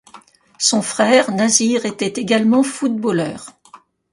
Son frère, Nasir, était également footballeur.